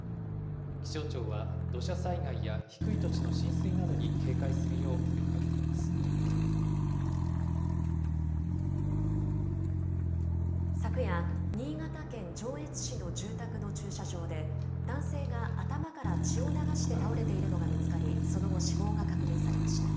気象庁は土砂災害や低い土地の浸水などに警戒するよう呼びかけて昨夜、新潟県上越市の住宅の駐車場で、男性が頭から血を流して倒れているのが見つかり、その後、死亡が確認されました。